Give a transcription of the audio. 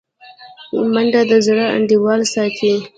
منډه د زړه انډول ساتي